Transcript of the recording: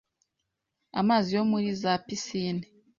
Amazi yo muri za piscine